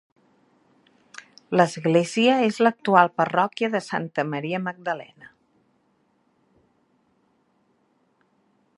L'església és l'actual parròquia de Santa Maria Magdalena.